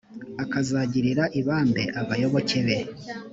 akazagirira ibambe abayoboke be.